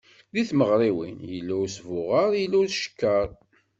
Deg tmeɣriwin, yella usbuɣer, yella ucekker.